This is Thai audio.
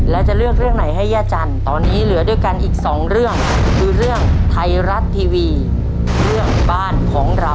แล้วจะเลือกเรื่องไหนให้ย่าจันทร์ตอนนี้เหลือด้วยกันอีกสองเรื่องคือเรื่องไทยรัฐทีวีเรื่องบ้านของเรา